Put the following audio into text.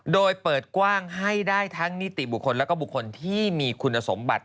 โดยเปิดกว้างให้ได้ทั้งนิติบุคคลและบุคคลที่มีคุณสมบัติ